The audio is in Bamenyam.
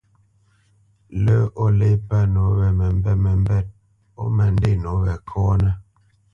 Lə́ o lê pə́ nǒ we məmbêt məmbêt ó ma ndê nǒ we kɔ́nə́.